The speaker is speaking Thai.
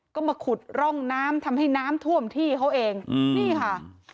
ก็มาขุดร่องน้ำทำให้น้ำท่วมที่เขาเองนี่ค่ะ